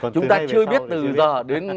chúng ta chưa biết từ giờ đến